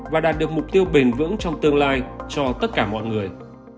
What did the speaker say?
và đạt được mục tiêu bền vững trong tương lai cho tất cả mọi người